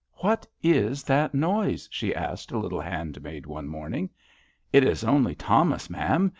What is that noise ?" she asked a little handmaid one morning. It is only Thomas, Ma*am.